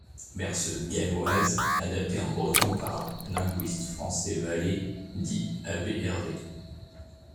Berceuse galloise, adaptée en breton par linguiste François Vallée dit AbHerve.